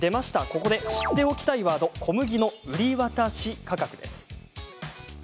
ここで、知っておきたいワード小麦の売渡価格です。